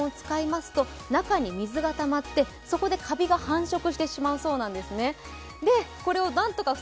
夏場に冷房、エアコンを使いますと中に水がたまってそこでカビが繁殖してしまそうなんですね。